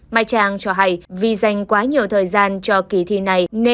mai trang cho hay vì dành quá nhiều thời gian cho kỳ thi này